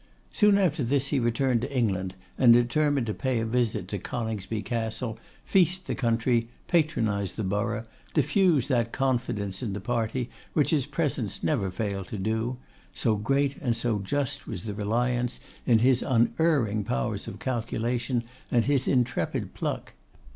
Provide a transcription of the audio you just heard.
Soon after this he returned to England, and determined to pay a visit to Coningsby Castle, feast the county, patronise the borough, diffuse that confidence in the party which his presence never failed to do; so great and so just was the reliance in his unerring powers of calculation and his intrepid pluck.